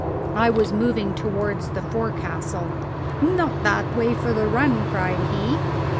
I was moving towards the forecastle. "Not that way for the run," cried he.